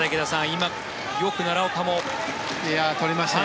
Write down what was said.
今、よく奈良岡も取りましたね。